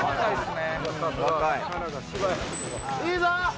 いいぞ！